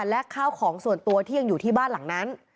และข้าวของส่วนตัวที่ยังอยู่ที่บ้านหลังนั้น